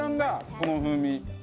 この風味。